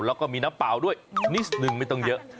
แล้วก็มีน้ำเปล่าด้วยนิดนึงไม่ต้องเยอะ